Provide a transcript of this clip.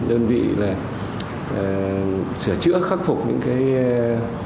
đơn vị sửa chữa khắc phục những ổn định